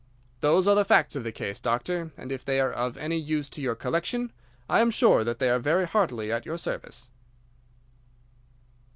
Those are the facts of the case, Doctor, and if they are of any use to your collection, I am sure that they are very heartily at your service."